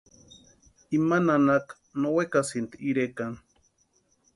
Ima nanaka no wekasïnti irekani.